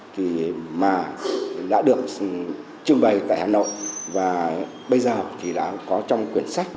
thì mà đã được trưng bày tại hà nội và bây giờ thì đã có trong quyển sách